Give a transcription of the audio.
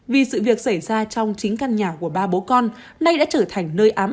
vì sự việc xảy ra trong chính căn nhà của ba bố con nay đã trở thành nơi ám